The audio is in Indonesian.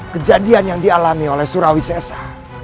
kejadian yang dialami oleh surawi sesa